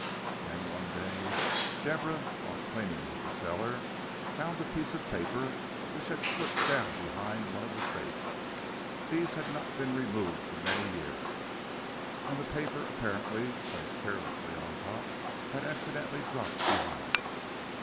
Then, one day Deborah, while cleaning out the cellar, found a piece of paper which had slipped down behind one of the safes. These had not been removed for many years, and the paper, apparently placed carelessly on top, had accidentally dropped behind.